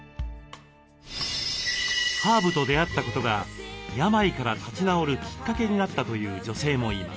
ハーブと出会ったことが病から立ち直るきっかけになったという女性もいます。